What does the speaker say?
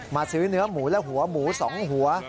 ซื้อเนื้อหมูและหัวหมู๒หัว